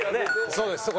そうです。